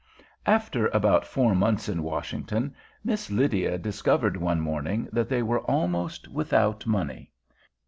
After about four months in Washington, Miss Lydia discovered one morning that they were almost without money.